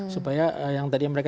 supaya yang tadi mereka